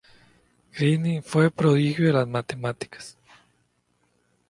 Greene fue un prodigio de las matemáticas.